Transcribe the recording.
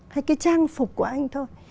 hay cái trang phục của anh thôi